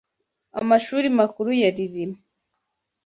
Amashuri makuru ya Rilima (GS Rilima)